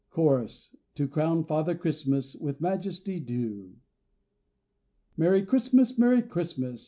Chorus.—To crown Father Christmas with majesty due. Merry Christmas! Merry Christmas!